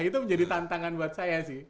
itu menjadi tantangan buat saya sih